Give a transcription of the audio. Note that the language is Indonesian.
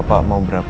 bapak mau berapa